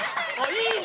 いいね